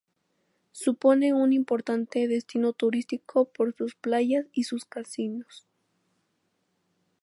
Supone un importante destino turístico por sus playas y sus casinos.